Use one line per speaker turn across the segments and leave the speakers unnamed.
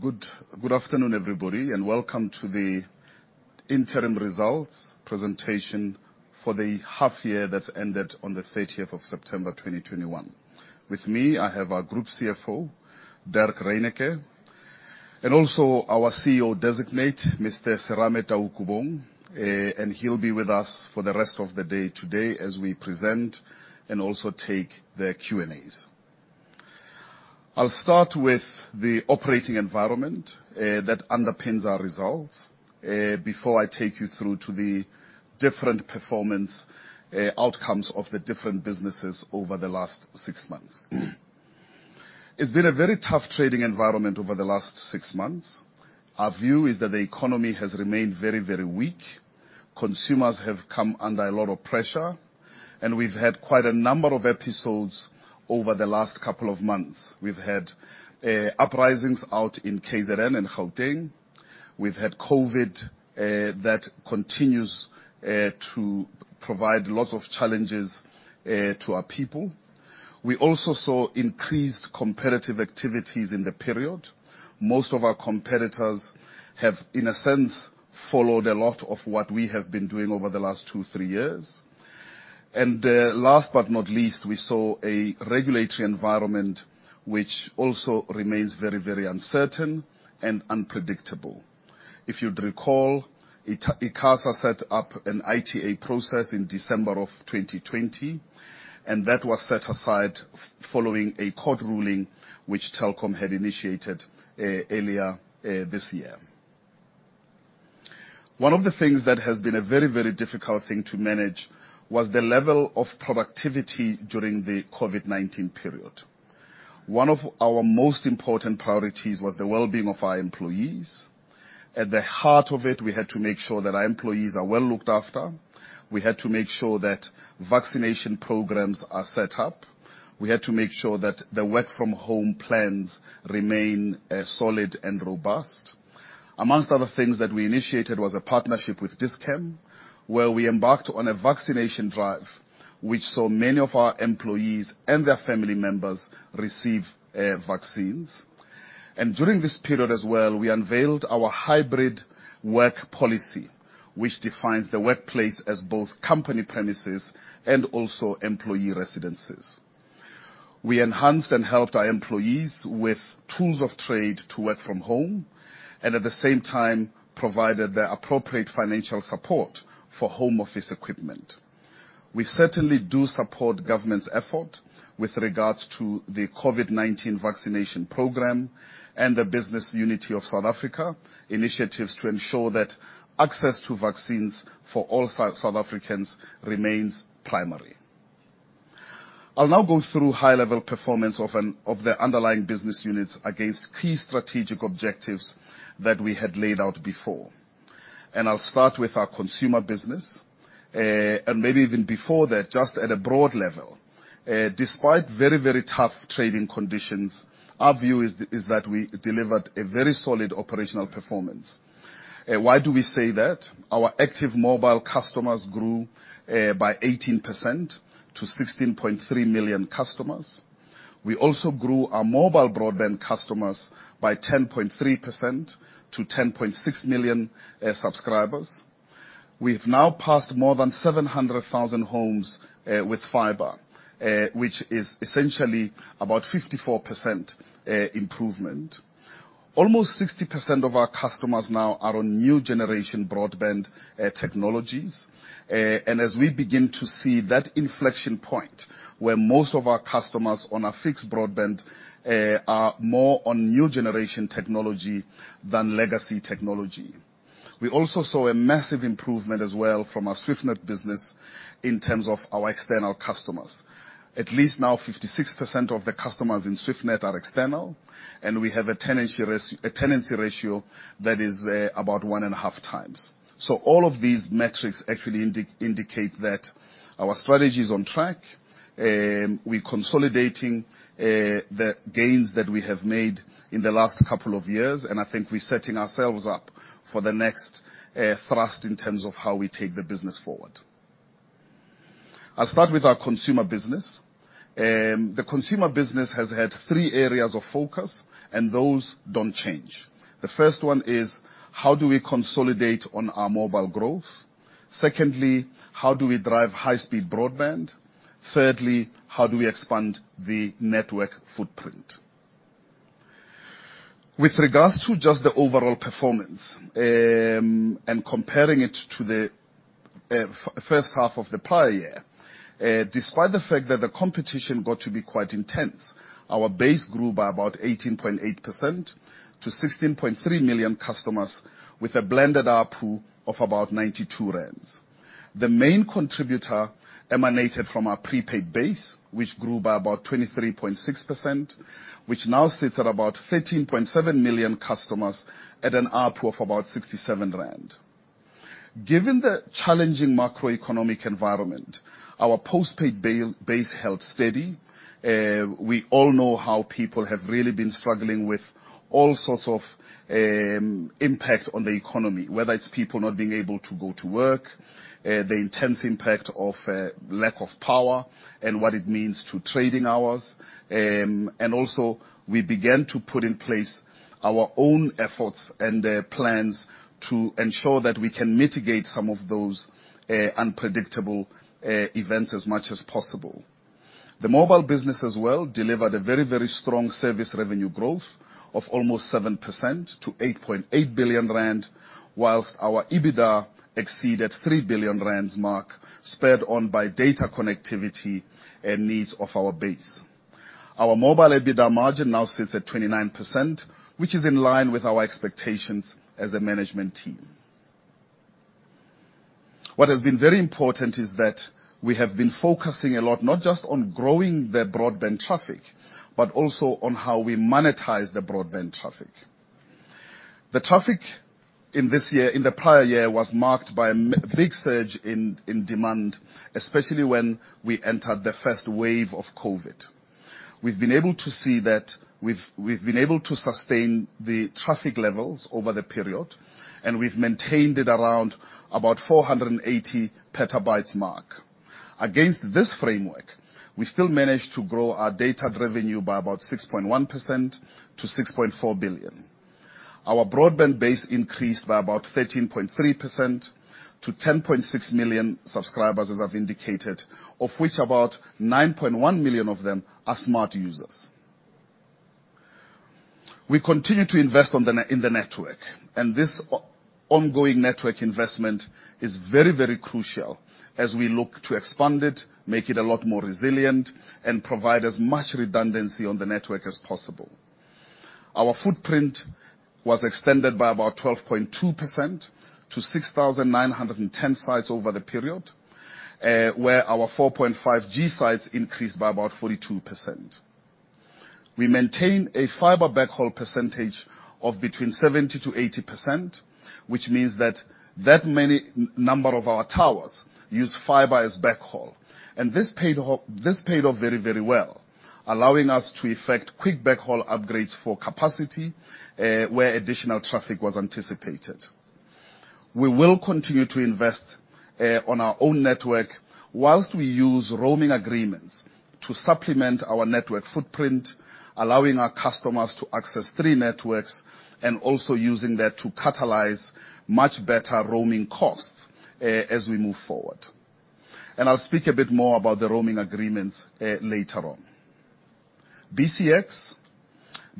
Good, good afternoon, everybody, and welcome to The Interim Results Presentation for The Half Year That Ended on The 30th September, 2021. With me, I have our Group CFO, Dirk Reyneke, and also our CEO designate, Mr. Serame Taukobong. And he'll be with us for the rest of the day today as we present and also take the Q&As. I'll start with the operating environment that underpins our results before I take you through to the different performance outcomes of the different businesses over the last six months. It's been a very tough trading environment over the last six months. Our view is that the economy has remained very, very weak, consumers have come under a lot of pressure, and we've had quite a number of episodes over the last couple of months. We've had uprisings out in KZN and Gauteng. We've had COVID that continues to provide lots of challenges to our people. We also saw increased competitive activities in the period. Most of our competitors have, in a sense, followed a lot of what we have been doing over the last two, three years. And last but not least, we saw a regulatory environment, which also remains very, very uncertain and unpredictable. If you'd recall, ICASA set up an ITA process in December of 2020, and that was set aside following a court ruling, which Telkom had initiated earlier this year. One of the things that has been a very, very difficult thing to manage was the level of productivity during the COVID-19 period. One of our most important priorities was the wellbeing of our employees. At the heart of it, we had to make sure that our employees are well looked after. We had to make sure that vaccination programs are set up. We had to make sure that the work from home plans remain, solid and robust. Amongst other things that we initiated was a partnership with Dis-Chem, where we embarked on a vaccination drive, which saw many of our employees and their family members receive, vaccines. During this period as well, we unveiled our hybrid work policy, which defines the workplace as both company premises and also employee residences. We enhanced and helped our employees with tools of trade to work from home, and at the same time, provided the appropriate financial support for home office equipment. We certainly do support government's effort with regards to the COVID-19 vaccination program and the Business Unity of South Africa initiatives to ensure that access to vaccines for all South, South Africans remains primary. I'll now go through high-level performance of the underlying business units against key strategic objectives that we had laid out before. I'll start with our consumer business. And maybe even before that, just at a broad level, despite very, very tough trading conditions, our view is that we delivered a very solid operational performance. Why do we say that? Our active mobile customers grew by 18% to 16.3 million customers. We also grew our mobile broadband customers by 10.3% to 10.6 million subscribers. We've now passed more than 700,000 homes with fiber, which is essentially about 54% improvement. Almost 60% of our customers now are on new generation broadband technologies. As we begin to see that inflection point, where most of our customers on a fixed broadband are more on new generation technology than legacy technology. We also saw a massive improvement as well from our SwiftNet business in terms of our external customers. At least now, 56% of the customers in SwiftNet are external, and we have a tenancy ratio that is about 1.5 times. So all of these metrics actually indicate that our strategy is on track, we're consolidating the gains that we have made in the last couple of years, and I think we're setting ourselves up for the next thrust in terms of how we take the business forward. I'll start with our consumer business. The consumer business has had three areas of focus, and those don't change. The first one is, how do we consolidate on our mobile growth? Secondly, how do we drive high-speed broadband? Thirdly, how do we expand the network footprint? With regards to just the overall performance, and comparing it to the first half of the prior year, despite the fact that the competition got to be quite intense, our base grew by about 18.8% to 16.3 million customers, with a blended ARPU of about 92 rand. The main contributor emanated from our prepaid base, which grew by about 23.6%, which now sits at about 13.7 million customers at an ARPU of about 67 rand. Given the challenging macroeconomic environment. Our postpaid base held steady. We all know how people have really been struggling with all sorts of impact on the economy, whether it's people not being able to go to work, the intense impact of lack of power and what it means to trading hours. And also, we began to put in place our own efforts and plans to ensure that we can mitigate some of those unpredictable events as much as possible. The mobile business as well delivered a very, very strong service revenue growth of almost 7% to 8.8 billion rand, while our EBITDA exceeded 3 billion rand mark, spurred on by data connectivity and needs of our base. Our mobile EBITDA margin now sits at 29%, which is in line with our expectations as a management team. What has been very important is that we have been focusing a lot, not just on growing the broadband traffic, but also on how we monetize the broadband traffic. The traffic in this year, in the prior year, was marked by a big surge in demand, especially when we entered the first wave of COVID. We've been able to see that we've been able to sustain the traffic levels over the period, and we've maintained it around about the 480 petabytes mark. Against this framework, we still managed to grow our data revenue by about 6.1% to 6.4 billion. Our broadband base increased by about 13.3% to 10.6 million subscribers, as I've indicated, of which about 9.1 million of them are smart users. We continue to invest in the network, and this ongoing network investment is very, very crucial as we look to expand it, make it a lot more resilient, and provide as much redundancy on the network as possible. Our footprint was extended by about 12.2% to 6,910 sites over the period, where our 4.5G sites increased by about 42%. We maintain a fiber backhaul percentage of between 70%-80%, which means that that many in number of our towers use fiber as backhaul, and this paid off very, very well, allowing us to effect quick backhaul upgrades for capacity, where additional traffic was anticipated. We will continue to invest on our own network whilst we use roaming agreements to supplement our network footprint, allowing our customers to access three networks, and also using that to catalyze much better roaming costs, as we move forward. I'll speak a bit more about the roaming agreements later on. BCX.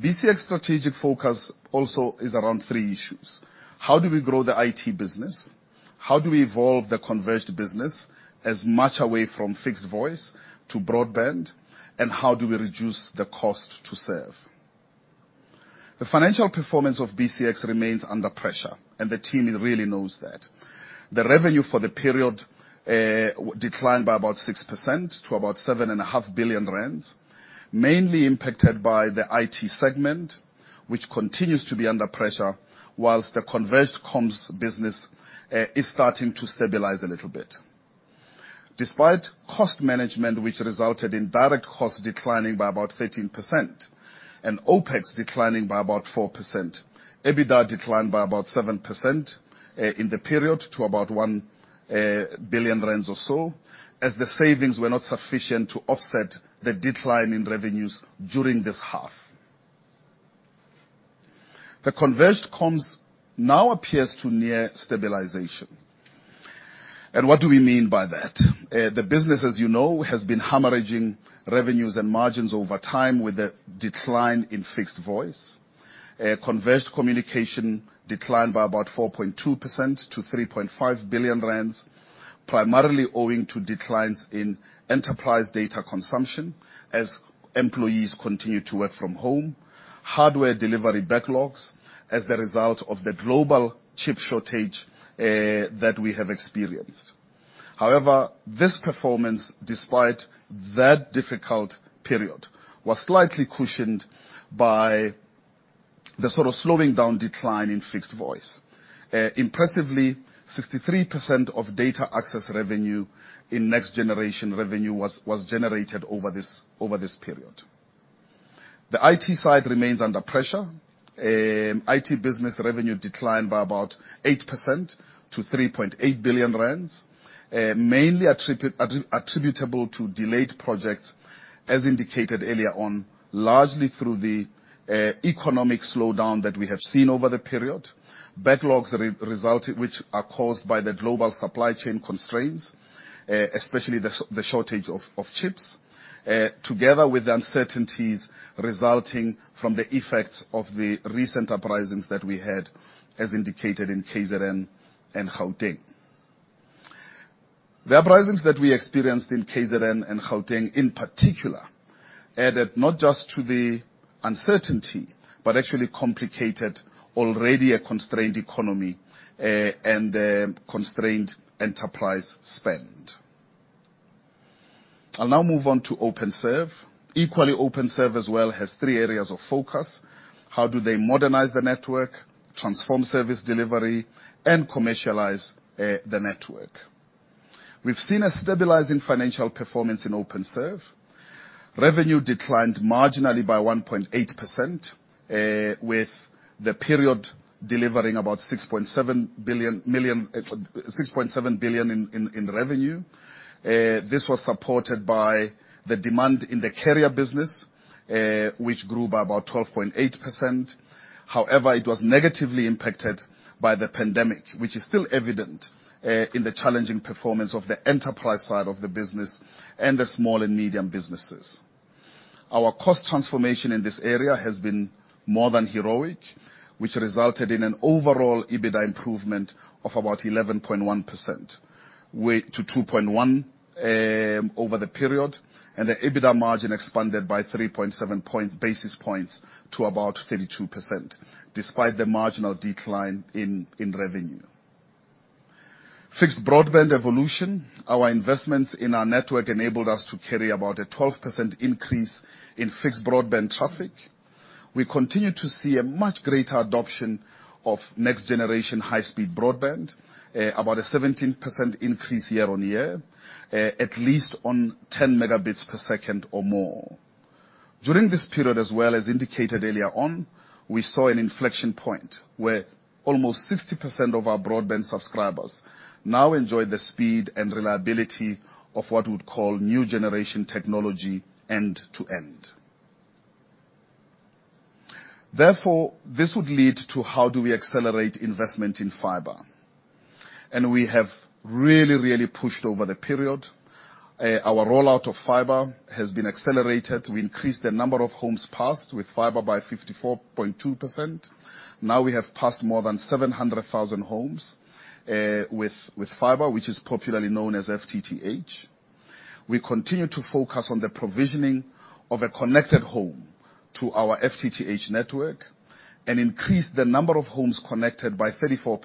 BCX strategic focus also is around three issues: How do we grow the IT business? How do we evolve the converged business as much away from fixed voice to broadband? And how do we reduce the cost to serve? The financial performance of BCX remains under pressure, and the team really knows that. The revenue for the period declined by about 6% to about 7.5 billion rand, mainly impacted by the IT segment, which continues to be under pressure, whilst the converged comms business is starting to stabilize a little bit. Despite cost management, which resulted in direct costs declining by about 13% and OpEx declining by about 4%, EBITDA declined by about 7% in the period to about 1 billion rand or so, as the savings were not sufficient to offset the decline in revenues during this half. The converged comms now appears to near stabilization. And what do we mean by that? The business, as you know, has been hemorrhaging revenues and margins over time with a decline in fixed voice. Converged communication declined by about 4.2% to 3.5 billion rand, primarily owing to declines in enterprise data consumption as employees continue to work from home, hardware delivery backlogs as the result of the global chip shortage, that we have experienced. However, this performance, despite that difficult period, was slightly cushioned by the sort of slowing down decline in fixed voice. Impressively, 63% of data access revenue in next-generation revenue was generated over this period. The IT side remains under pressure. IT business revenue declined by about 8% to 3.8 billion rand, mainly attributable to delayed projects, as indicated earlier on, largely through the economic slowdown that we have seen over the period. Backlogs resulted, which are caused by the global supply chain constraints, especially the shortage of chips, together with the uncertainties resulting from the effects of the recent uprisings that we had, as indicated in KZN and Gauteng. The uprisings that we experienced in KZN and Gauteng, in particular, added not just to the uncertainty, but actually complicated already a constrained economy, and constrained enterprise spend. I'll now move on to Openserve. Equally, Openserve as well, has three areas of focus: How do they modernize the network, transform service delivery, and commercialize the network? We've seen a stabilizing financial performance in Openserve. Revenue declined marginally by 1.8%, with the period delivering about 6.7 billion in revenue. This was supported by the demand in the carrier business, which grew by about 12.8%. However, it was negatively impacted by the pandemic, which is still evident in the challenging performance of the enterprise side of the business and the small and medium businesses. Our cost transformation in this area has been more than heroic, which resulted in an overall EBITDA improvement of about 11.1%, went to 2.1 billion over the period, and the EBITDA margin expanded by 370 basis points to about 32%, despite the marginal decline in revenue. Fixed broadband evolution. Our investments in our network enabled us to carry about a 12% increase in fixed broadband traffic. We continue to see a much greater adoption of next-generation high-speed broadband, about a 17% increase year-on-year, at least on 10 Mbps or more. During this period as well as indicated earlier on, we saw an inflection point, where almost 60% of our broadband subscribers now enjoy the speed and reliability of what we'd call new generation technology end-to-end. Therefore, this would lead to: How do we accelerate investment in fiber? We have really, really pushed over the period. Our rollout of fiber has been accelerated. We increased the number of homes passed with fiber by 54.2%. Now, we have passed more than 700,000 homes with fiber, which is popularly known as FTTH. We continue to focus on the provisioning of a connected home to our FTTH network, and increase the number of homes connected by 34%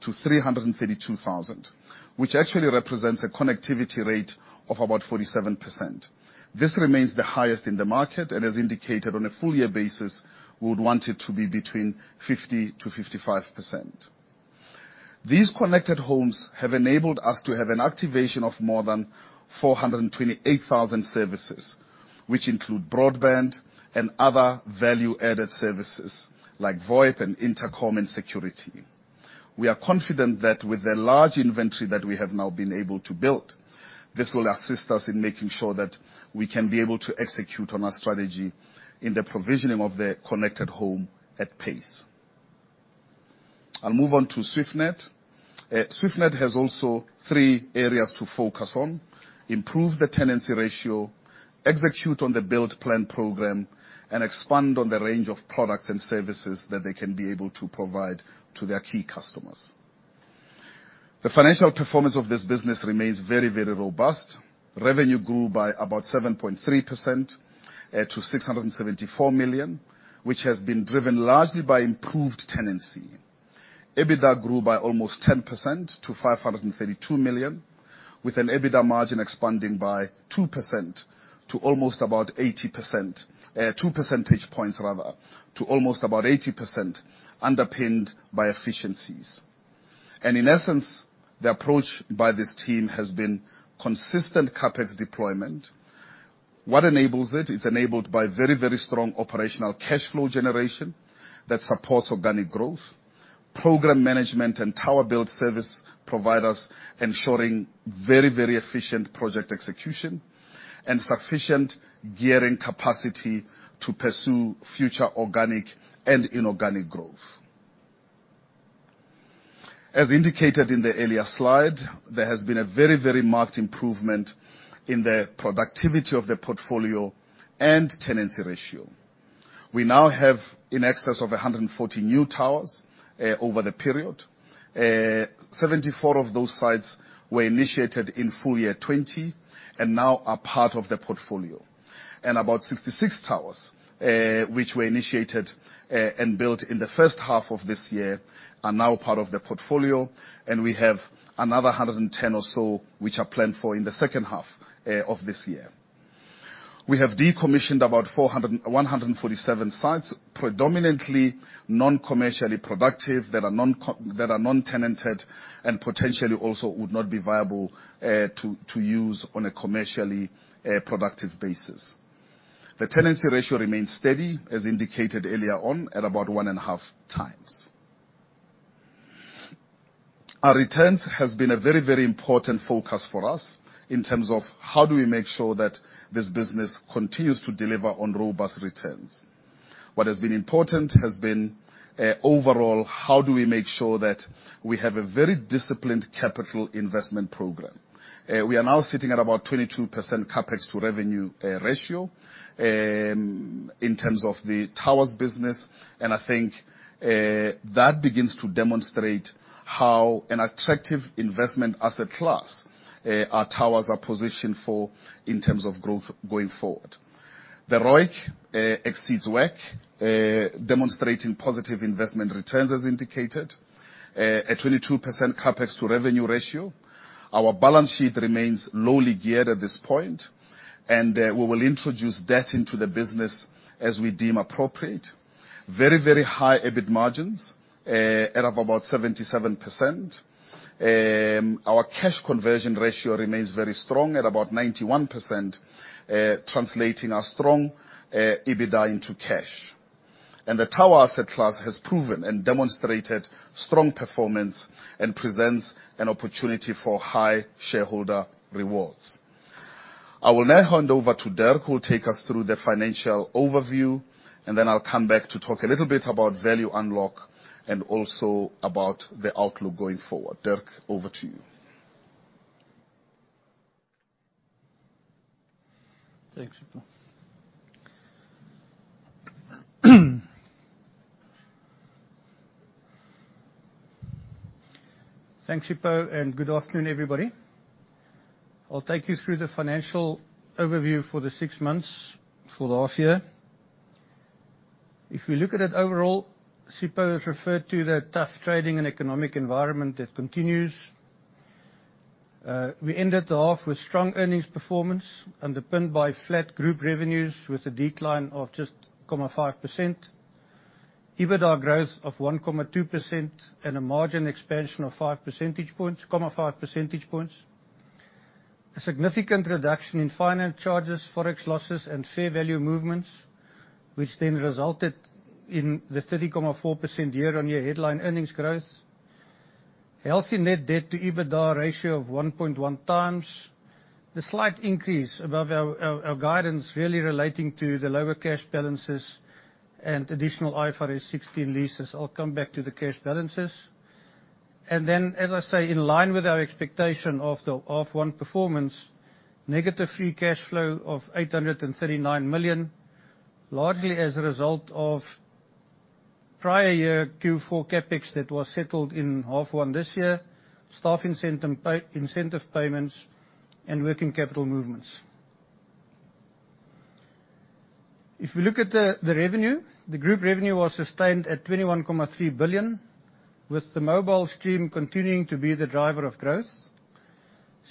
to 332,000, which actually represents a connectivity rate of about 47%. This remains the highest in the market, and as indicated on a full year basis, we would want it to be between 50%-55%. These connected homes have enabled us to have an activation of more than 428,000 services, which include broadband and other value-added services like VoIP, and intercom, and security. We are confident that with the large inventory that we have now been able to build, this will assist us in making sure that we can be able to execute on our strategy in the provisioning of the connected home at pace. I'll move on to SwiftNet. SwiftNet has also three areas to focus on: improve the tenancy ratio, execute on the build plan program, and expand on the range of products and services that they can be able to provide to their key customers. The financial performance of this business remains very, very robust. Revenue grew by about 7.3%, to 674 million, which has been driven largely by improved tenancy. EBITDA grew by almost 10% to 532 million, with an EBITDA margin expanding by two percentage points to almost about 80%, underpinned by efficiencies. In essence, the approach by this team has been consistent CapEx deployment. What enables it? It's enabled by very, very strong operational cash flow generation that supports organic growth, program management, and tower build service providers, ensuring very, very efficient project execution and sufficient gearing capacity to pursue future organic and inorganic growth. As indicated in the earlier slide, there has been a very, very marked improvement in the productivity of the portfolio and tenancy ratio. We now have in excess of 140 new towers over the period. Seventy-four of those sites were initiated in full year 2020, and now are part of the portfolio. About 66 towers, which were initiated and built in the first half of this year, are now part of the portfolio, and we have another 110 or so which are planned for in the second half of this year. We have decommissioned about 147 sites, predominantly non-commercially productive, that are non-tenanted, and potentially also would not be viable to use on a commercially productive basis. The tenancy ratio remains steady, as indicated earlier on, at about 1.5 times. Our returns has been a very, very important focus for us in terms of, how do we make sure that this business continues to deliver on robust returns? What has been important has been overall, how do we make sure that we have a very disciplined capital investment program? We are now sitting at about 22% CapEx-to-revenue ratio in terms of the towers business, and I think that begins to demonstrate how an attractive investment asset class our towers are positioned for in terms of growth going forward. The ROIC exceeds WACC, demonstrating positive investment returns as indicated. A 22% CapEx to revenue ratio. Our balance sheet remains lowly geared at this point, and we will introduce debt into the business as we deem appropriate. Very, very high EBIT margins at about 77%. Our cash conversion ratio remains very strong at about 91%, translating our strong EBITDA into cash. The tower asset class has proven and demonstrated strong performance, and presents an opportunity for high shareholder rewards. I will now hand over to Dirk, who will take us through the financial overview, and then I'll come back to talk a little bit about value unlock, and also about the outlook going forward. Dirk, over to you.
Thanks, Sipho. Thanks, Sipho, and good afternoon, everybody. I'll take you through the financial overview for the six months for the half year. If we look at it overall, Sipho has referred to the tough trading and economic environment that continues. We ended the half with strong earnings performance, underpinned by flat group revenues with a decline of just 0.5%. EBITDA growth of 1.2% and a margin expansion of 5 percentage points, 5 percentage points. A significant reduction in finance charges, Forex losses, and fair value movements, which then resulted in the 30.4% year-on-year headline earnings growth. Healthy net debt to EBITDA ratio of 1.1 times. The slight increase above our guidance, really relating to the lower cash balances and additional IFRS 16 leases. I'll come back to the cash balances. Then, as I say, in line with our expectation of the half one performance, negative free cash flow of 839 million, largely as a result of prior year Q4 CapEx that was settled in half one this year, staff incentive pay- incentive payments, and working capital movements. If we look at the revenue, the group revenue was sustained at 21.3 billion, with the mobile stream continuing to be the driver of growth.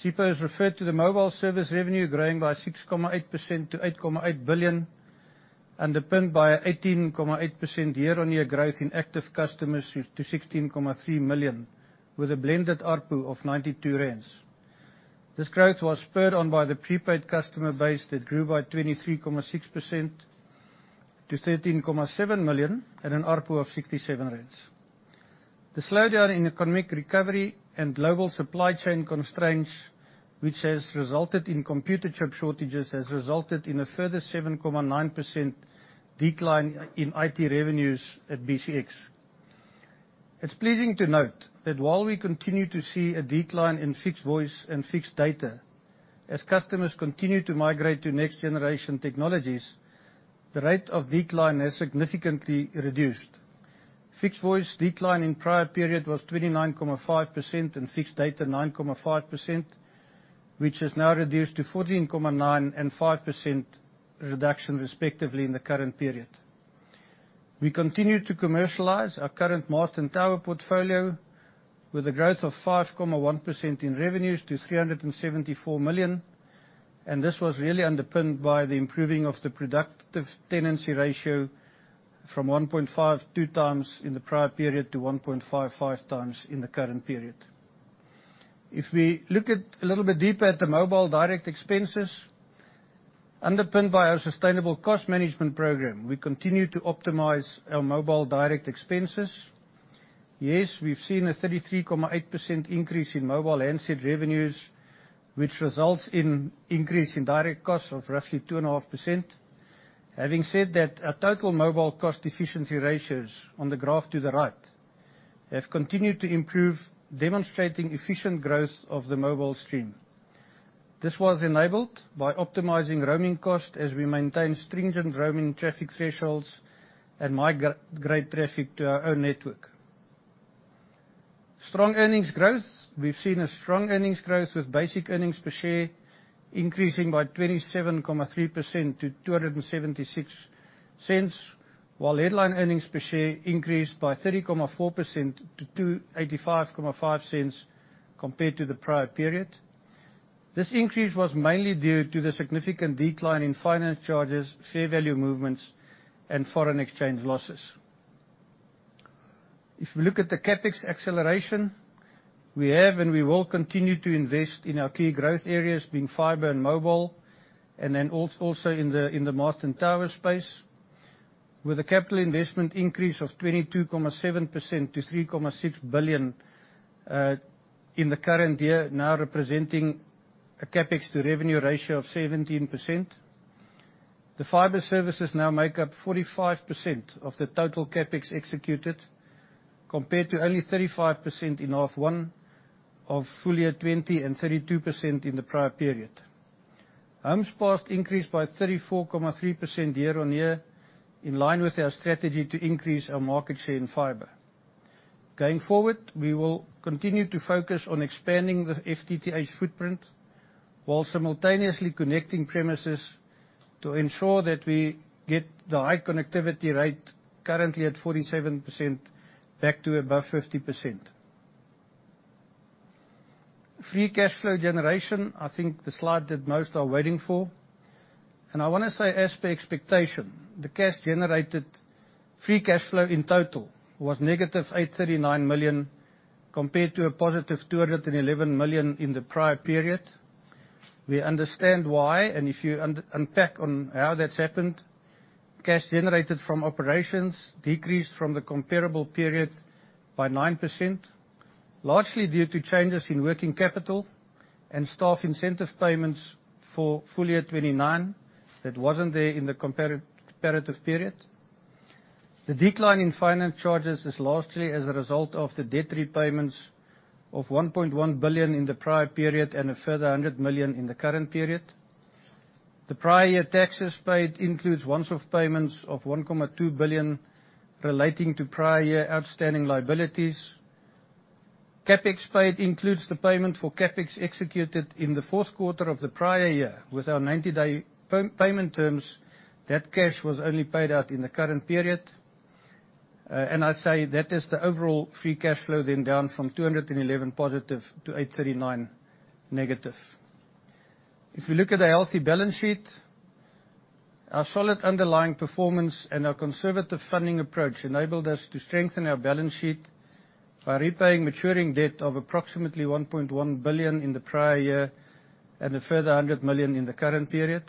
Sipho has referred to the mobile service revenue growing by 6.8% to 8.8 billion, underpinned by an 18.8% year-on-year growth in active customers to 16.3 million, with a blended ARPU of 92 rand. This growth was spurred on by the prepaid customer base that grew by 23.6% to 13.7 million, at an ARPU of 67 rands. The slowdown in economic recovery and global supply chain constraints, which has resulted in computer chip shortages, has resulted in a further 7.9% decline in IT revenues at BCX. It's pleasing to note that while we continue to see a decline in fixed voice and fixed data, as customers continue to migrate to next generation technologies, the rate of decline has significantly reduced. Fixed voice decline in prior period was 29.5%, and fixed data, 9.5%, which has now reduced to 14.9% and 5% reduction, respectively, in the current period. We continue to commercialize our current mast and tower portfolio with a growth of 5.1% in revenues to 374 million, and this was really underpinned by the improving of the productive tenancy ratio from 1.52 times in the prior period to 1.55 times in the current period. If we look at a little bit deeper at the mobile direct expenses, underpinned by our sustainable cost management program, we continue to optimize our mobile direct expenses. Yes, we've seen a 33.8% increase in mobile handset revenues, which results in increase in direct costs of roughly 2.5%. Having said that, our total mobile cost efficiency ratios on the graph to the right have continued to improve, demonstrating efficient growth of the mobile stream. This was enabled by optimizing roaming cost as we maintain stringent roaming traffic thresholds and migrate traffic to our own network. Strong earnings growth. We've seen a strong earnings growth, with basic earnings per share increasing by 27.3% to 2.76, while headline earnings per share increased by 30.4% to 2.855 compared to the prior period. This increase was mainly due to the significant decline in finance charges, fair value movements, and foreign exchange losses. If we look at the CapEx acceleration, we have and we will continue to invest in our key growth areas, being fiber and mobile, and then also in the, in the mast and tower space, with a capital investment increase of 22.7% to 3.6 billion in the current year, now representing a CapEx to revenue ratio of 17%. The fiber services now make up 45% of the total CapEx executed, compared to only 35% in half one of full year 2020, and 32% in the prior period. Homes passed increased by 34.3% year-on-year, in line with our strategy to increase our market share in fiber.... Going forward, we will continue to focus on expanding the FTTH footprint, while simultaneously connecting premises to ensure that we get the high connectivity rate, currently at 47%, back to above 50%. Free cash flow generation, I think the slide that most are waiting for, and I want to say, as per expectation, the cash generated, free cash flow in total was -839 million, compared to +211 million in the prior period. We understand why, and if you unpack on how that's happened, cash generated from operations decreased from the comparable period by 9%, largely due to changes in working capital and staff incentive payments for full year 2021 that wasn't there in the comparative period. The decline in finance charges is largely as a result of the debt repayments of 1.1 billion in the prior period, and a further 100 million in the current period. The prior year taxes paid includes once-off payments of 1.2 billion relating to prior year outstanding liabilities. CapEx paid includes the payment for CapEx executed in the fourth quarter of the prior year. With our 90-day payment terms, that cash was only paid out in the current period. And I say that is the overall free cash flow, then, down from +211--839. If you look at the healthy balance sheet, our solid underlying performance and our conservative funding approach enabled us to strengthen our balance sheet by repaying maturing debt of approximately 1.1 billion in the prior year, and a further 100 million in the current period.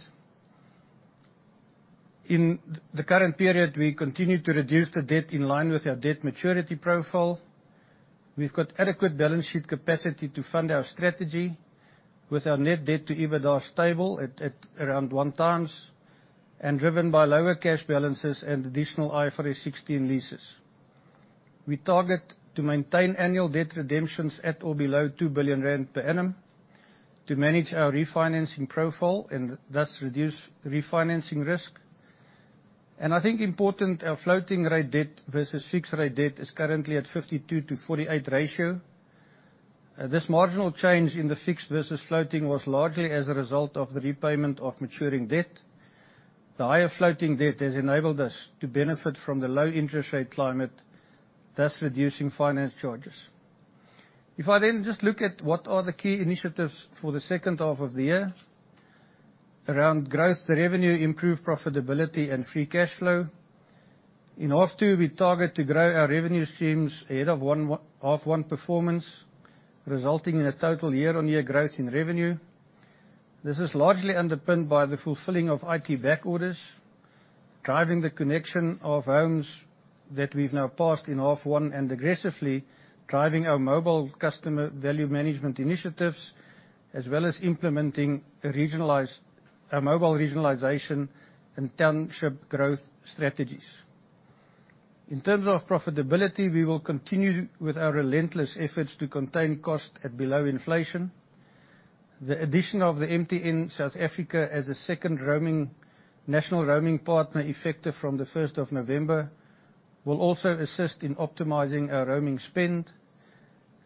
In the current period, we continued to reduce the debt in line with our debt maturity profile. We've got adequate balance sheet capacity to fund our strategy, with our net debt to EBITDA stable at around 1x, and driven by lower cash balances and additional IFRS 16 leases. We target to maintain annual debt redemptions at or below 2 billion rand per annum to manage our refinancing profile, and thus reduce refinancing risk. And I think important, our floating rate debt versus fixed rate debt is currently at 52-48 ratio. This marginal change in the fixed versus floating was largely as a result of the repayment of maturing debt. The higher floating debt has enabled us to benefit from the low interest rate climate, thus reducing finance charges. If I then just look at what are the key initiatives for the second half of the year around growth, the revenue, improved profitability, and free cashflow. In half two, we target to grow our revenue streams ahead of half one performance, resulting in a total year-on-year growth in revenue. This is largely underpinned by the fulfilling of IT back orders, driving the connection of homes that we've now passed in half one, and aggressively driving our mobile customer value management initiatives, as well as implementing a mobile regionalization and township growth strategies. In terms of profitability, we will continue with our relentless efforts to contain cost at below inflation. The addition of the MTN South Africa as a second roaming, national roaming partner, effective from the first of November, will also assist in optimizing our roaming spend.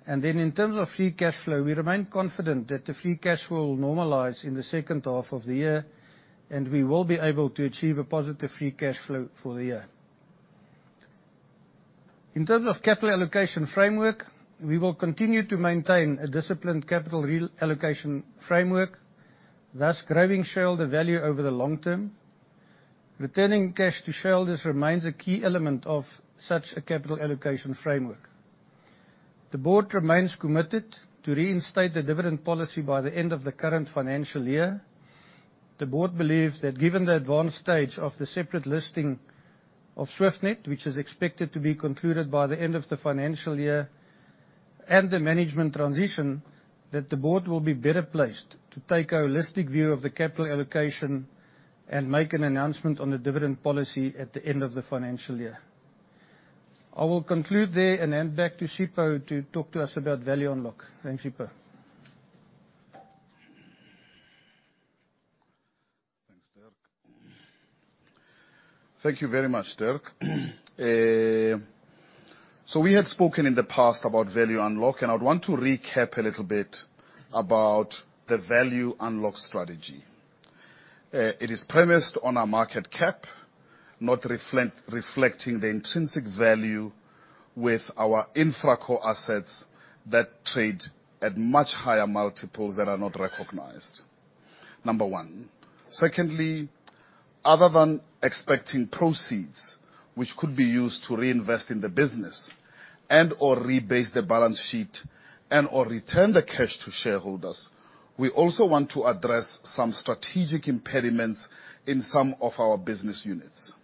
Then, in terms of free cash flow, we remain confident that the free cash will normalize in the second half of the year, and we will be able to achieve a positive free cash flow for the year. In terms of capital allocation framework, we will continue to maintain a disciplined capital reallocation framework, thus growing shareholder value over the long term. Returning cash to shareholders remains a key element of such a capital allocation framework. The board remains committed to reinstate the dividend policy by the end of the current financial year. The board believes that given the advanced stage of the separate listing of SwiftNet, which is expected to be concluded by the end of the financial year, and the management transition, that the board will be better placed to take a holistic view of the capital allocation and make an announcement on the dividend policy at the end of the financial year. I will conclude there and hand back to Sipho to talk to us about value unlock. Thanks, Sipho.
Thanks, Dirk. Thank you very much, Dirk. So we had spoken in the past about value unlock, and I'd want to recap a little bit about the value unlock strategy. It is premised on our market cap, not reflecting the intrinsic value with our infraco assets that trade at much higher multiples that are not recognized, number one. Secondly, other than expecting proceeds, which could be used to reinvest in the business and/or rebase the balance sheet, and/or return the cash to shareholders, we also want to address some strategic impediments in some of our business units.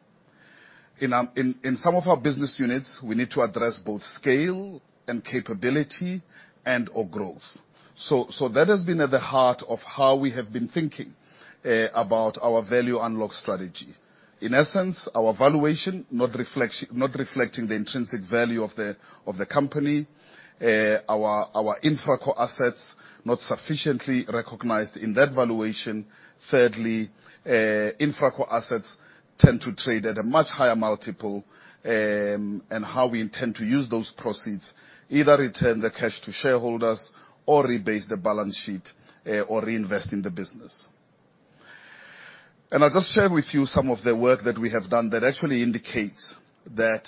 In some of our business units, we need to address both scale and capability, and/or growth. So that has been at the heart of how we have been thinking about our value unlock strategy. In essence, our valuation not reflecting the intrinsic value of the company, our InfraCo assets not sufficiently recognized in that valuation. Thirdly, InfraCo assets tend to trade at a much higher multiple, and how we intend to use those proceeds, either return the cash to shareholders or rebase the balance sheet, or reinvest in the business. I'll just share with you some of the work that we have done that actually indicates that,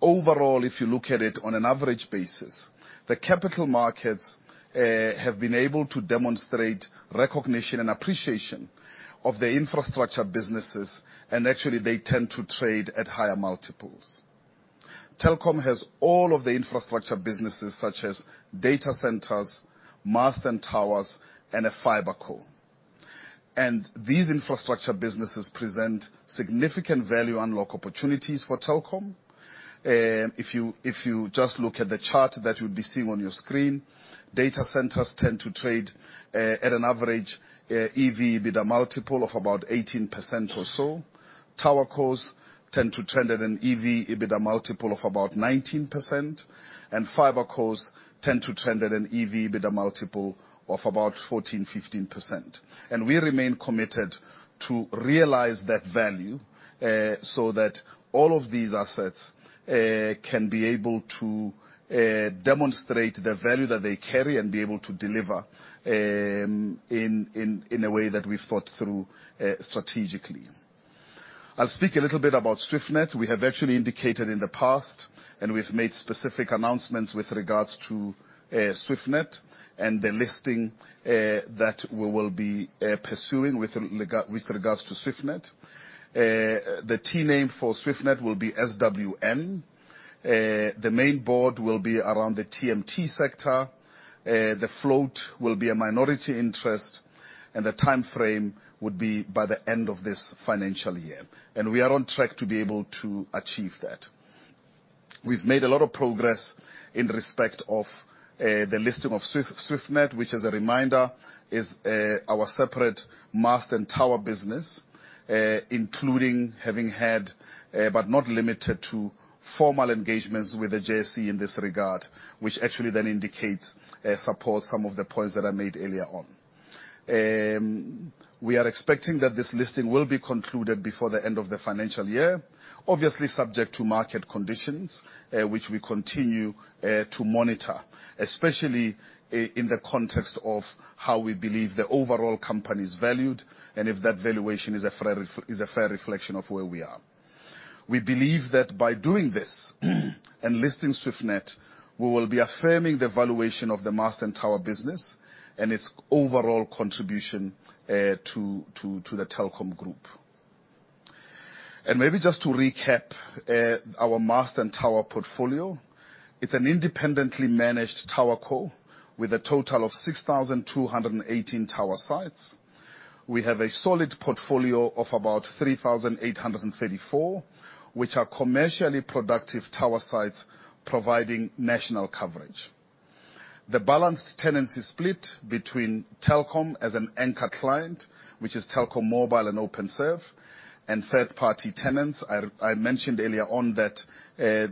overall, if you look at it on an average basis, the capital markets have been able to demonstrate recognition and appreciation of the infrastructure businesses, and actually, they tend to trade at higher multiples. Telkom has all of the infrastructure businesses, such as data centers, masts and towers, and a fiber co. These infrastructure businesses present significant value unlock opportunities for Telkom. If you just look at the chart that you'll be seeing on your screen, data centers tend to trade at an average EV/EBITDA multiple of about 18% or so. Tower cos tend to trend at an EV/EBITDA multiple of about 19%, and fiber cos tend to trend at an EV/EBITDA multiple of about 14%-15%. We remain committed to realize that value, so that all of these assets can be able to demonstrate the value that they carry and be able to deliver in a way that we've thought through strategically. I'll speak a little bit about SwiftNet. We have actually indicated in the past, and we've made specific announcements with regards to SwiftNet and the listing that we will be pursuing with regard, with regards to SwiftNet. The T name for SwiftNet will be SWM. The main board will be around the TMT sector, the float will be a minority interest, and the time frame would be by the end of this financial year, and we are on track to be able to achieve that. We've made a lot of progress in respect of the listing of Swift, SwiftNet, which, as a reminder, is our separate mast and tower business, including having had, but not limited to, formal engagements with the JSE in this regard, which actually then supports some of the points that I made earlier on. We are expecting that this listing will be concluded before the end of the financial year. Obviously, subject to market conditions, which we continue to monitor, especially in the context of how we believe the overall company is valued, and if that valuation is a fair reflection of where we are. We believe that by doing this, and listing SwiftNet, we will be affirming the valuation of the mast and tower business, and its overall contribution to the Telkom group. Maybe just to recap, our mast and tower portfolio, it's an independently managed tower co with a total of 6,218 tower sites. We have a solid portfolio of about 3,834, which are commercially productive tower sites providing national coverage. The balanced tenancy split between Telkom as an anchor client, which is Telkom Mobile and Openserve, and third-party tenants. I mentioned earlier on that,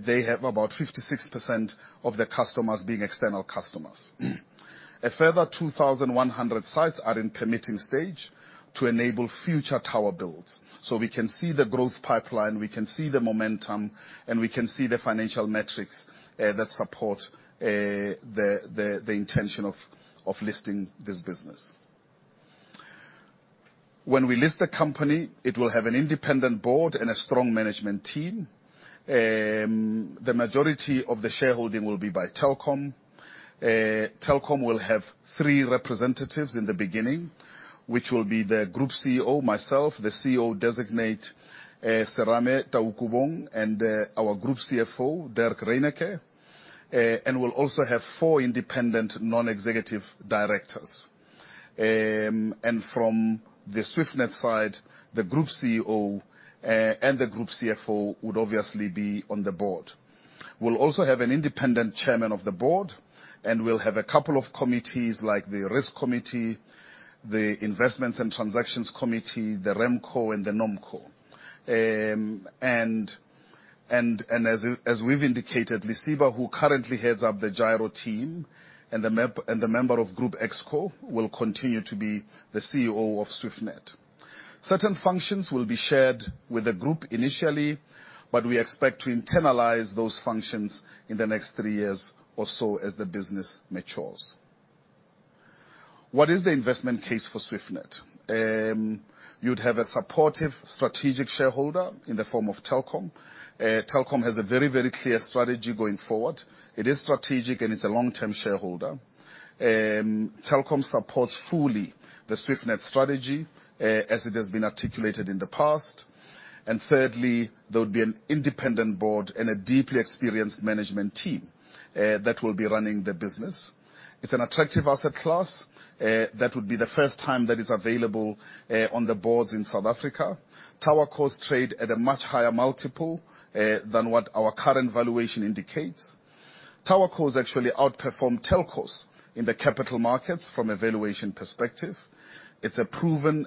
they have about 56% of their customers being external customers. A further 2,100 sites are in permitting stage to enable future tower builds. So we can see the growth pipeline, we can see the momentum, and we can see the financial metrics that support the intention of listing this business. When we list the company, it will have an independent board and a strong management team. The majority of the shareholding will be by Telkom. Telkom will have 3 representatives in the beginning, which will be the Group CEO, myself, the CEO designate, Serame Taukobong, and our Group CFO, Dirk Reyneke. And we'll also have 4 independent non-executive directors. And from the SwiftNet side, the Group CEO and the Group CFO would obviously be on the board. We'll also have an independent chairman of the board, and we'll have a couple of committees, like the risk committee, the investments and transactions committee, the RemCo, and the NomCo. As we've indicated, Lisiba, who currently heads up the Gyro team, and the member of Group ExCo, will continue to be the CEO of SwiftNet. Certain functions will be shared with the group initially, but we expect to internalize those functions in the next three years or so as the business matures. What is the investment case for SwiftNet? You'd have a supportive strategic shareholder in the form of Telkom. Telkom has a very, very clear strategy going forward. It is strategic, and it's a long-term shareholder. Telkom supports fully the SwiftNet strategy, as it has been articulated in the past. Thirdly, there would be an independent board and a deeply experienced management team that will be running the business. It's an attractive asset class. That would be the first time that it's available on the boards in South Africa. Tower cos trade at a much higher multiple than what our current valuation indicates. TowerCo has actually outperformed Telcos in the capital markets from a valuation perspective. It's a proven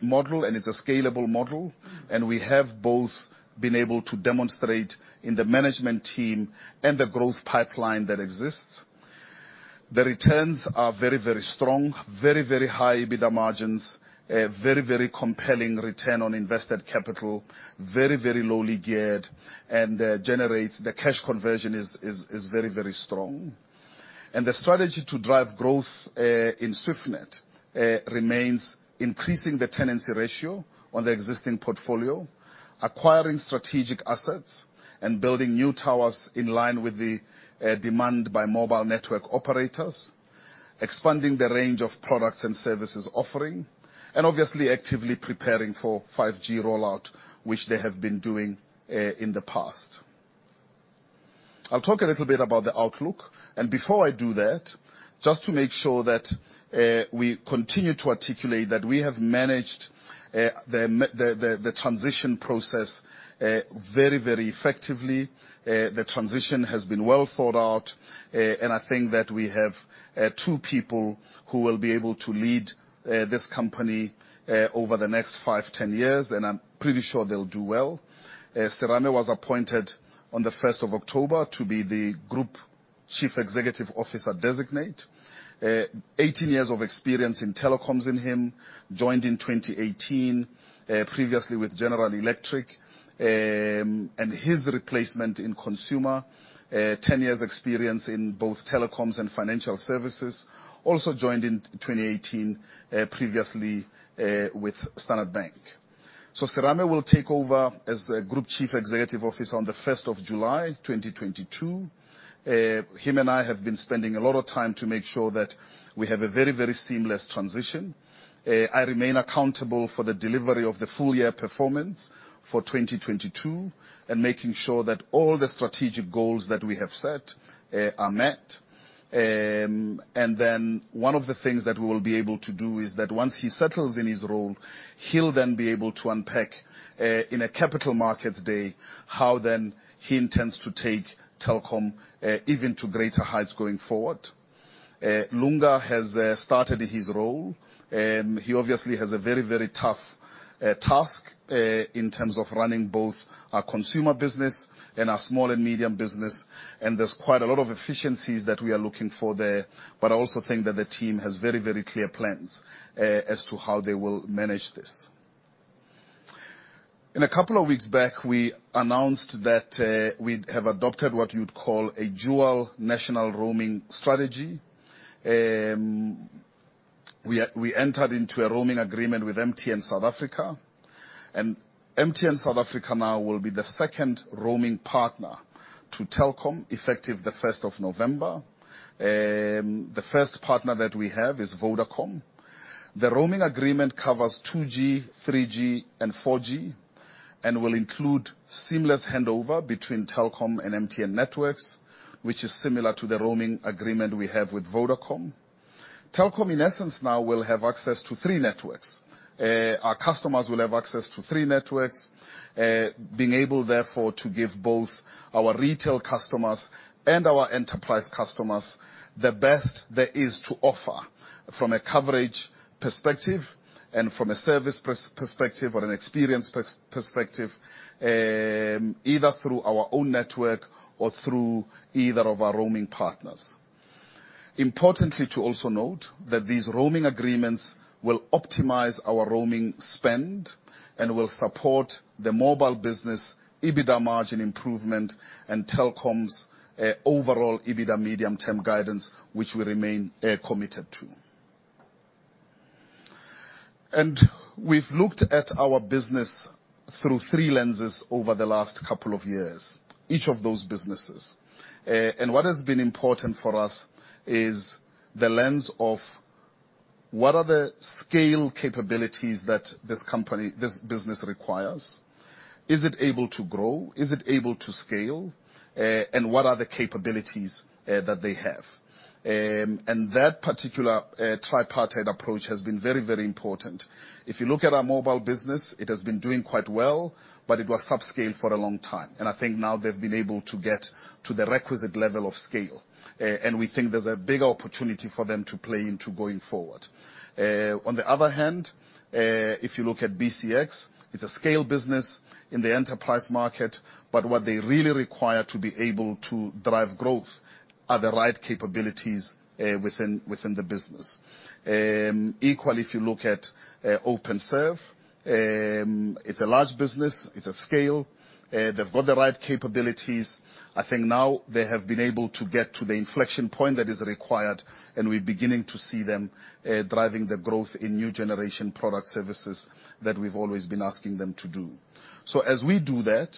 model, and it's a scalable model, and we have both been able to demonstrate in the management team and the growth pipeline that exists. The returns are very, very strong, very, very high EBITDA margins, very, very compelling return on invested capital, very, very lowly geared, and generates the cash conversion is very, very strong. And the strategy to drive growth in SwiftNet remains increasing the tenancy ratio on the existing portfolio, acquiring strategic assets, and building new towers in line with the demand by mobile network operators, expanding the range of products and services offering, and obviously actively preparing for 5G rollout, which they have been doing in the past. I'll talk a little bit about the outlook, and before I do that, just to make sure that we continue to articulate that we have managed the transition process very, very effectively. The transition has been well thought out, and I think that we have two people who will be able to lead this company over the next 5, 10 years, and I'm pretty sure they'll do well. Serame was appointed on the first of October to be the Group Chief Executive Officer designate. 18 years of experience in telecoms in him, joined in 2018, previously with General Electric. And his replacement in consumer, 10 years' experience in both telecoms and financial services, also joined in 2018, previously with Standard Bank. So Serame will take over as the Group Chief Executive Officer on the first of July 2022. Him and I have been spending a lot of time to make sure that we have a very, very seamless transition. I remain accountable for the delivery of the full year performance for 2022 and making sure that all the strategic goals that we have set are met. And then one of the things that we will be able to do is that once he settles in his role, he'll then be able to unpack, in a capital markets day, how then he intends to take Telkom, even to greater heights going forward. Lunga has started his role, he obviously has a very, very tough task, in terms of running both our consumer business and our small and medium business, and there's quite a lot of efficiencies that we are looking for there, but I also think that the team has very, very clear plans, as to how they will manage this. In a couple of weeks back, we announced that, we have adopted what you'd call a dual national roaming strategy. We entered into a roaming agreement with MTN South Africa, and MTN South Africa now will be the second roaming partner to Telkom, effective the first of November. The first partner that we have is Vodacom. The roaming agreement covers 2G, 3G, and 4G, and will include seamless handover between Telkom and MTN networks, which is similar to the roaming agreement we have with Vodacom. Telkom, in essence, now will have access to three networks. Our customers will have access to three networks, being able, therefore, to give both our retail customers and our enterprise customers the best there is to offer from a coverage perspective and from a service perspective or an experience perspective, either through our own network or through either of our roaming partners. Importantly, to also note that these roaming agreements will optimize our roaming spend and will support the mobile business, EBITDA margin improvement, and Telkom's overall EBITDA medium-term guidance, which we remain committed to. And we've looked at our business through three lenses over the last couple of years, each of those businesses. And what has been important for us is the lens of what are the scale capabilities that this company, this business requires? Is it able to grow? Is it able to scale? And what are the capabilities that they have? And that particular tripartite approach has been very, very important. If you look at our mobile business, it has been doing quite well, but it was subscale for a long time, and I think now they've been able to get to the requisite level of scale, and we think there's a bigger opportunity for them to play into going forward. On the other hand, if you look at BCX, it's a scale business in the enterprise market, but what they really require to be able to drive growth are the right capabilities within the business. Equally, if you look at Openserve, it's a large business, it's a scale, they've got the right capabilities. I think now they have been able to get to the inflection point that is required, and we're beginning to see them driving the growth in new generation product services that we've always been asking them to do. So as we do that,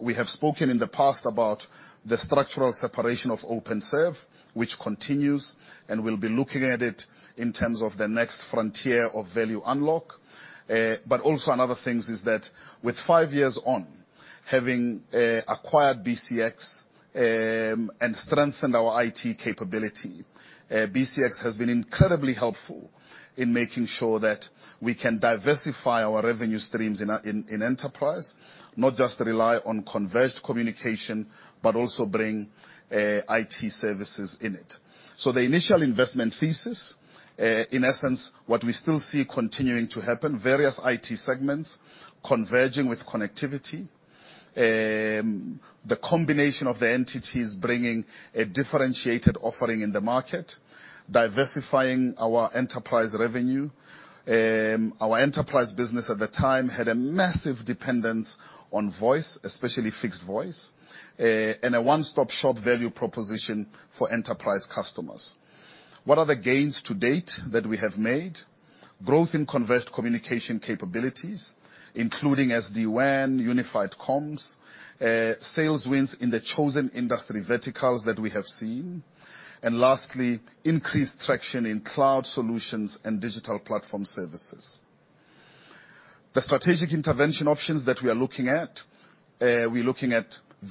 we have spoken in the past about the structural separation of Openserve, which continues, and we'll be looking at it in terms of the next frontier of value unlock. But also another thing is that with five years on, having acquired BCX, and strengthened our IT capability. BCX has been incredibly helpful in making sure that we can diversify our revenue streams in our enterprise, not just rely on converged communication, but also bring IT services in it. So the initial investment thesis, in essence, what we still see continuing to happen, various IT segments converging with connectivity. The combination of the entities bringing a differentiated offering in the market, diversifying our enterprise revenue. Our enterprise business at the time had a massive dependence on voice, especially fixed voice, and a one-stop-shop value proposition for enterprise customers. What are the gains to date that we have made? Growth in converged communication capabilities, including SD-WAN, unified comms, sales wins in the chosen industry verticals that we have seen. And lastly, increased traction in cloud solutions and digital platform services. The strategic intervention options that we are looking at, we're looking at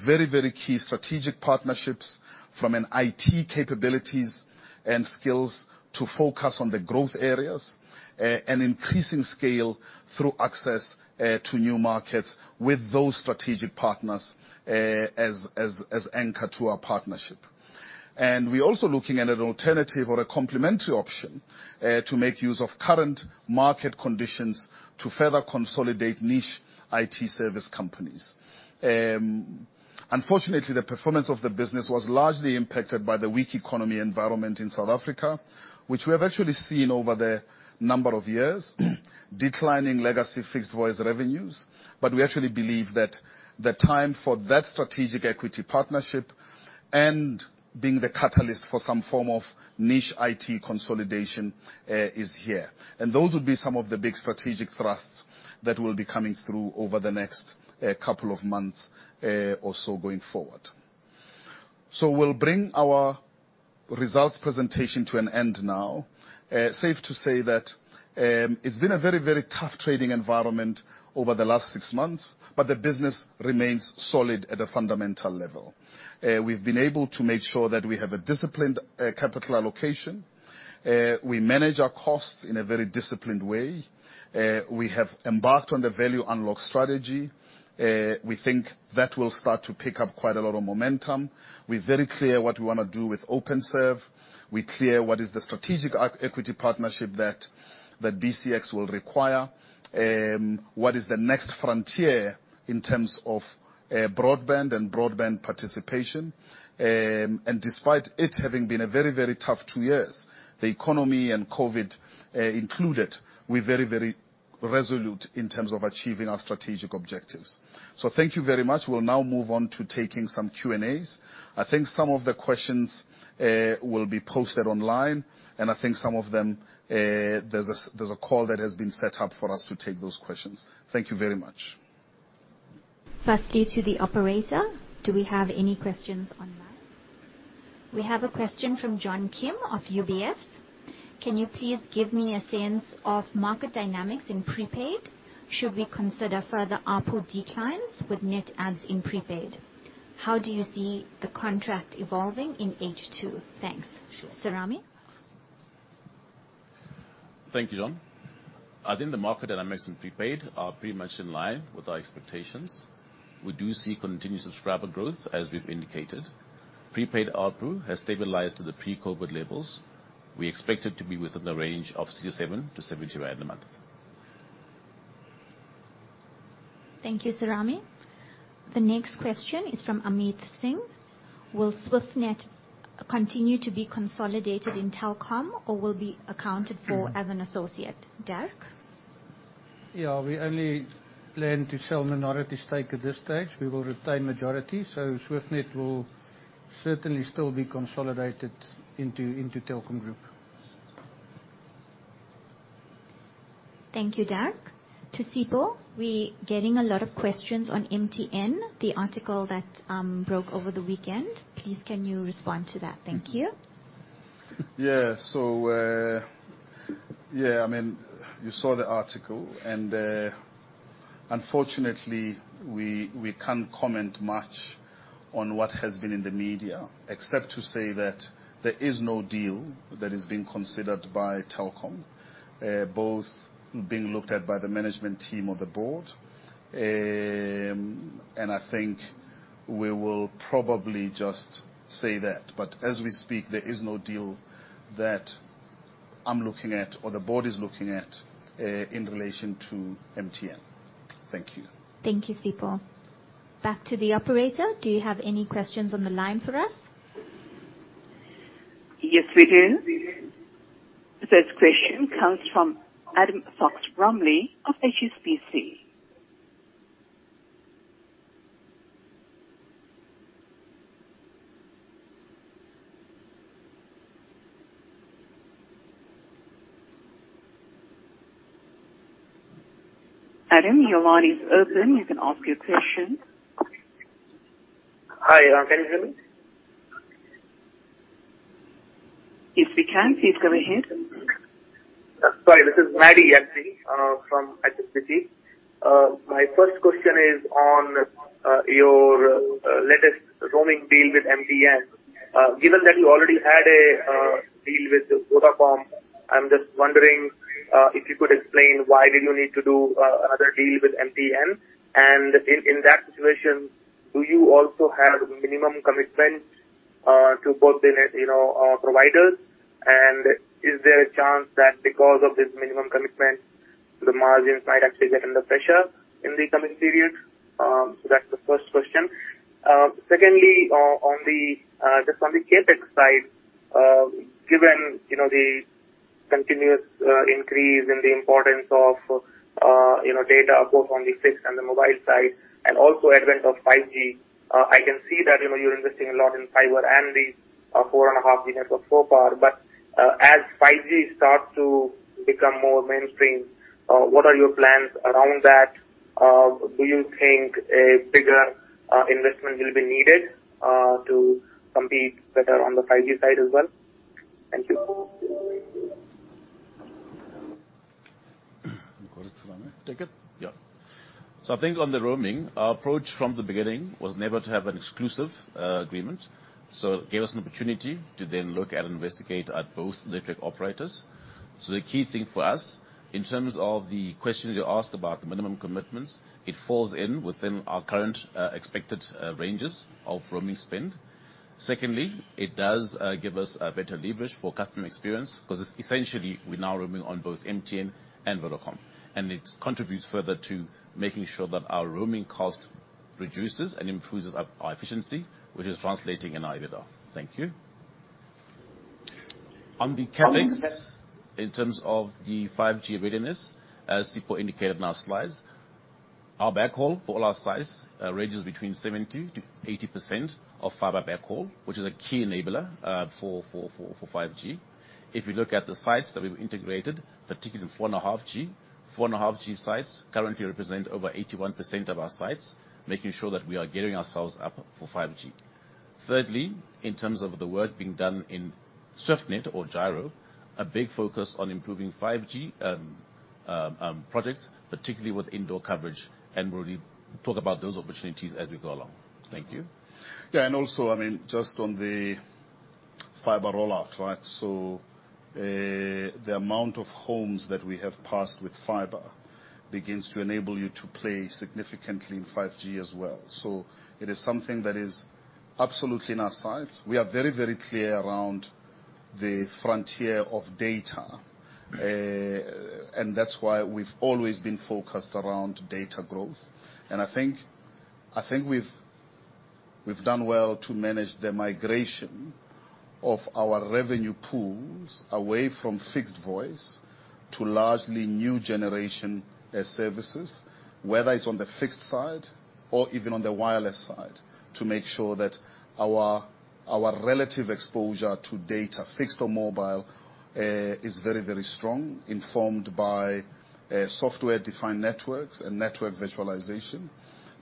very, very key strategic partnerships from an IT capabilities and skills to focus on the growth areas, and increasing scale through access, to new markets with those strategic partners, as anchor to our partnership. And we're also looking at an alternative or a complementary option, to make use of current market conditions to further consolidate niche IT service companies. Unfortunately, the performance of the business was largely impacted by the weak economy environment in South Africa, which we have actually seen over the number of years, declining legacy fixed voice revenues. But we actually believe that the time for that strategic equity partnership, and being the catalyst for some form of niche IT consolidation, is here. And those would be some of the big strategic thrusts that will be coming through over the next couple of months or so going forward. So we'll bring our results presentation to an end now. Safe to say that it's been a very, very tough trading environment over the last six months, but the business remains solid at a fundamental level. We've been able to make sure that we have a disciplined capital allocation. We manage our costs in a very disciplined way. We have embarked on the value unlock strategy. We think that will start to pick up quite a lot of momentum. We're very clear what we wanna do with Openserve. We're clear what is the strategic equity partnership that BCX will require. What is the next frontier in terms of broadband and broadband participation? Despite it having been a very, very tough two years, the economy and COVID, included, we're very, very resolute in terms of achieving our strategic objectives. Thank you very much. We'll now move on to taking some Q&As. I think some of the questions will be posted online, and I think some of them, there's a call that has been set up for us to take those questions. Thank you very much.
Firstly, to the operator, do we have any questions online? We have a question from John Kim of UBS. Can you please give me a sense of market dynamics in prepaid? Should we consider further ARPU declines with net adds in prepaid? How do you see the contract evolving in H2? Thanks.
Sure.
Serame?
Thank you, John. I think the market dynamics in prepaid are pretty much in line with our expectations. We do see continued subscriber growth, as we've indicated. Prepaid ARPU has stabilized to the pre-COVID levels. We expect it to be within the range of 67-70 rand a month.
Thank you, Serame. The next question is from Amit Singh with SwiftNet continue to be consolidated in Telkom or will be accounted for as an associate? Dirk?
Yeah, we only plan to sell minority stake at this stage. We will retain majority, so SwiftNet will certainly still be consolidated into Telkom Group.
Thank you, Dirk. To Sipho, we getting a lot of questions on MTN, the article that broke over the weekend. Please, can you respond to that? Thank you.
Yeah. So, Yeah, I mean, you saw the article, and, unfortunately, we, we can't comment much on what has been in the media, except to say that there is no deal that is being considered by Telkom, both being looked at by the management team or the board. And I think we will probably just say that, but as we speak, there is no deal that I'm looking at or the board is looking at, in relation to MTN. Thank you.
Thank you, Sipho. Back to the operator. Do you have any questions on the line for us?
Yes, we do. The first question comes from Adam Fox-Rumley, of HSBC. Adam, your line is open. You can ask your question.
Hi, can you hear me?
Yes, we can. Please go ahead. ...
Sorry, this is. My first question is on your latest roaming deal with MTN. Given that you already had a deal with Vodacom, I'm just wondering if you could explain why did you need to do another deal with MTN? And in that situation, do you also have minimum commitment to both the net, you know, providers? And is there a chance that because of this minimum commitment, the margins might actually be under pressure in the coming period? So that's the first question. Secondly, just on the CapEx side, given, you know, the continuous increase in the importance of, you know, data both on the fixed and the mobile side, and also advent of 5G, I can see that, you know, you're investing a lot in fiber and the 4.5G of so far. But as 5G starts to become more mainstream, what are your plans around that? Do you think a bigger investment will be needed to compete better on the 5G side as well? Thank you.
Yeah. So I think on the roaming, our approach from the beginning was never to have an exclusive agreement. So it gave us an opportunity to then look at and investigate both telco operators. So the key thing for us, in terms of the question you asked about the minimum commitments, it falls within our current expected ranges of roaming spend. Secondly, it does give us a better leverage for customer experience, 'cause it's essentially we're now roaming on both MTN and Vodacom, and it contributes further to making sure that our roaming cost reduces and improves our efficiency, which is translating in our EBITDA. Thank you. On the CapEx, in terms of the 5G readiness, as Sipho indicated in our slides, our backhaul for all our sites ranges between 70%-80% of fiber backhaul, which is a key enabler for 5G. If we look at the sites that we've integrated, particularly 4.5G, 4.5G sites currently represent over 81% of our sites, making sure that we are gearing ourselves up for 5G. Thirdly, in terms of the work being done in SwiftNet or Gyro, a big focus on improving 5G projects, particularly with indoor coverage, and we'll talk about those opportunities as we go along. Thank you.
Yeah, and also, I mean, just on the fiber rollout, right? So, the amount of homes that we have passed with fiber begins to enable you to play significantly in 5G as well. So it is something that is absolutely in our sights. We are very, very clear around the frontier of data, and that's why we've always been focused around data growth. And I think, I think we've, we've done well to manage the migration of our revenue pools away from fixed voice to largely new generation, services, whether it's on the fixed side or even on the wireless side, to make sure that our relative exposure to data, fixed or mobile, is very, very strong, informed by, software-defined networks and network virtualization,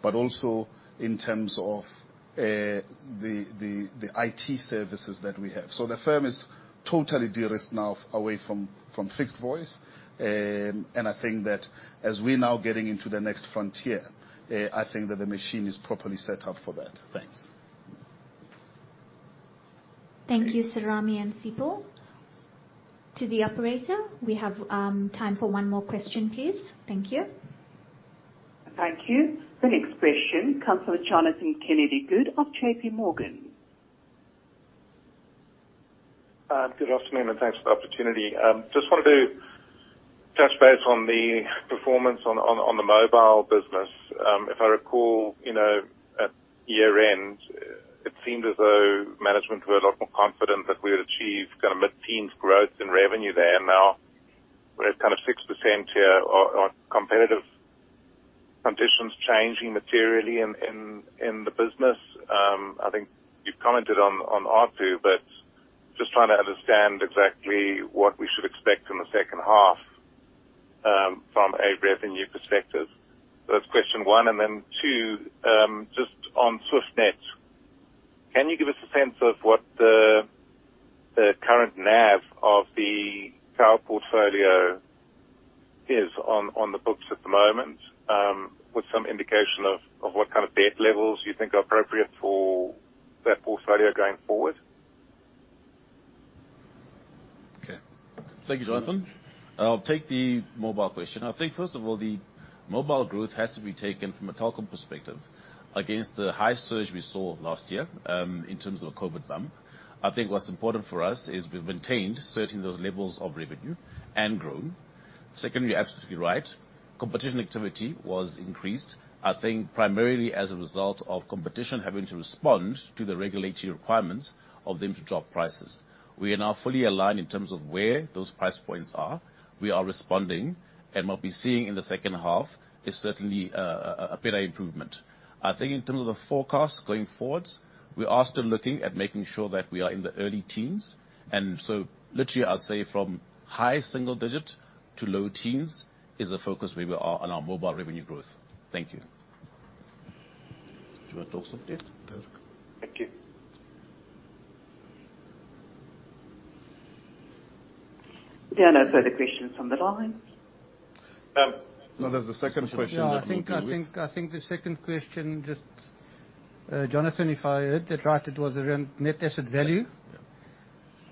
but also in terms of, the IT services that we have. So the firm is totally de-risked now away from fixed voice. And I think that as we're now getting into the next frontier, I think that the machine is properly set up for that. Thanks.
Thank you, Serame and Sipho. To the operator, we have time for one more question, please. Thank you.
Thank you. The next question comes from Jonathan Kennedy-Good of J.P. Morgan.
Good afternoon, and thanks for the opportunity. Just wanted to touch base on the performance on the mobile business. If I recall, you know, at year-end, it seemed as though management were a lot more confident that we had achieved kind of mid-teens growth in revenue there. Now we're at kind of 6% here. Are competitive conditions changing materially in the business? I think you've commented on H2, but just trying to understand exactly what we should expect in the second half, from a revenue perspective. So that's question one. Then too, just on SwiftNet, can you give us a sense of what the current NAV of the tower portfolio is on the books at the moment, with some indication of what kind of debt levels you think are appropriate for that portfolio going forward?
Okay. Thank you, Jonathan. I'll take the mobile question. I think, first of all, the mobile growth has to be taken from a telecom perspective against the high surge we saw last year, in terms of a COVID bump. I think what's important for us is we've maintained certain those levels of revenue and grown. Secondly, you're absolutely right. Competition activity was increased, I think primarily as a result of competition having to respond to the regulatory requirements of them to drop prices. We are now fully aligned in terms of where those price points are. We are responding, and what we're seeing in the second half is certainly a better improvement. I think in terms of the forecast going forwards, we are still looking at making sure that we are in the early teens. Literally, I'll say from high single-digit to low teens is the focus where we are on our mobile revenue growth. Thank you....
Do you want to talk something? Perfect.
Thank you. There are no further questions on the line.
Now there's the second question that we deal with.
Yeah, I think, I think, I think the second question, just, Jonathan, if I heard that right, it was around net asset value.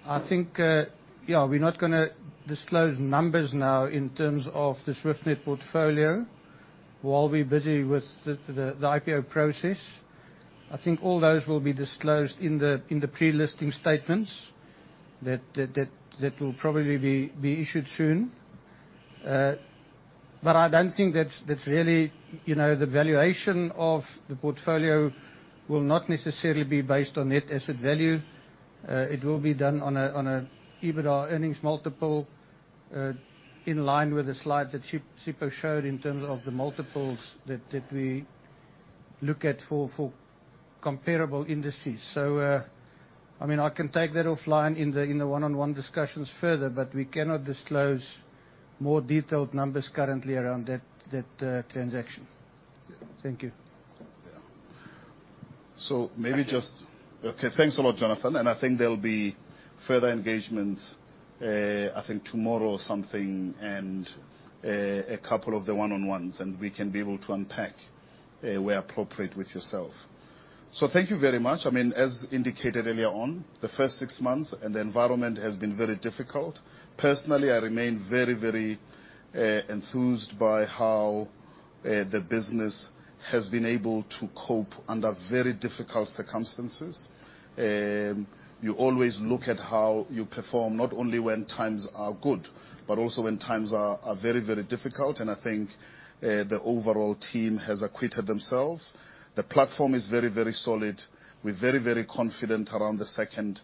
Yeah.
I think, we're not gonna disclose numbers now in terms of the SwiftNet portfolio while we're busy with the IPO process. I think all those will be disclosed in the pre-listing statements that will probably be issued soon. But I don't think that's really, you know, the valuation of the portfolio will not necessarily be based on net asset value. It will be done on a EBITDA earnings multiple, in line with the slide that Sipho showed in terms of the multiples that we look at for comparable industries. So, I mean, I can take that offline in the one-on-one discussions further, but we cannot disclose more detailed numbers currently around that transaction.
Yeah.
Thank you.
Yeah. So maybe just-
Thank you.
Okay, thanks a lot, Jonathan, and I think there'll be further engagements, I think tomorrow or something, and, a couple of the one-on-ones, and we can be able to unpack, where appropriate with yourself. So thank you very much. I mean, as indicated earlier on, the first six months, and the environment has been very difficult. Personally, I remain very, very, enthused by how, the business has been able to cope under very difficult circumstances. You always look at how you perform, not only when times are good, but also when times are very, very difficult, and I think, the overall team has acquitted themselves. The platform is very, very solid. We're very, very confident around the second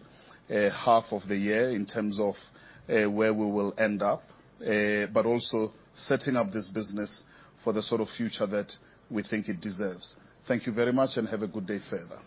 half of the year in terms of where we will end up, but also setting up this business for the sort of future that we think it deserves. Thank you very much, and have a good day further.